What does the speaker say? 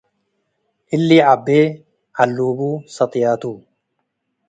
እሊ ዐቤ ዐሉቡ ሰጥያቱ